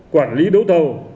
quản lý đấu thầu